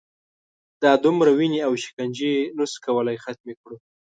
دا دومره وینې او شکنجې نه شو کولای ختمې کړو.